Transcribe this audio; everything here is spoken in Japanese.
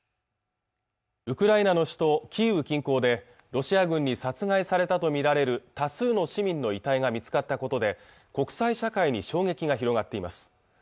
ウクライナの首都キーウ近郊でロシア軍に殺害されたと見られる多数の市民の遺体が見つかったことで国際社会に衝撃が広がっています